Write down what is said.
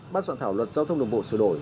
ban soạn thảo luật giao thông đường bộ sửa đổi